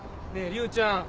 龍ちゃん。